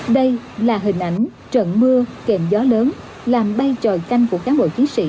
đây là hình ảnh trận mưa kèm gió lớn làm bay tròi canh của cán bộ chiến sĩ